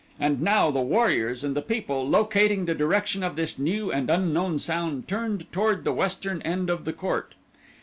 And now the warriors and the people, locating the direction of this new and unknown sound turned toward the western end of the court.